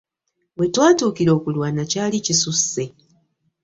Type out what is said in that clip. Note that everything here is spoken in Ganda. We twatuukira okulwana kyali kisusse.